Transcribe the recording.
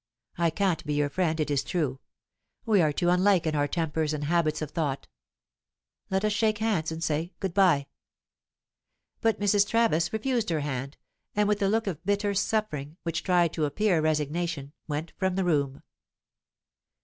I can't be your friend, it is true; we are too unlike in our tempers and habits of thought Let us shake hands and say good bye." But Mrs. Travis refused her hand, and with a look of bitter suffering, which tried to appear resignation, went from the room.